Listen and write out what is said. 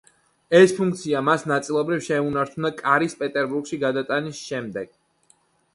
ეს ფუნქცია მას ნაწილობრივ შეუნარჩუნდა კარის პეტერბურგში გადატანის შემდეგაც.